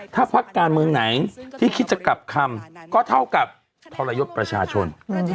ถ้าพักการเมืองไหนที่คิดจะกลับคำก็เท่ากับทรยศประชาชน